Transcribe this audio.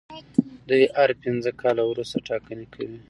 دوی هر پنځه کاله وروسته ټاکنې کوي.